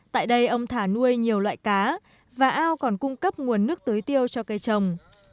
tại đây ông thả nuôi nhiều loại cá và ao còn cung cấp nguồn nước tưới tiêu cho cây trồng